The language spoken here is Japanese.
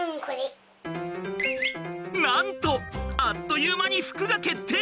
なんとあっという間に服が決定！